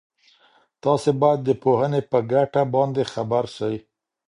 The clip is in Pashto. تاسو باید د پوهني په ګټه باندي خبر سئ.